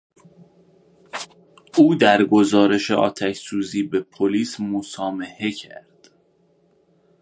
او در گزارش آتش سوزی به پلیس مسامحه کرد.